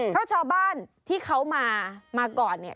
เพราะชาวบ้านที่เขามามาก่อนเนี่ย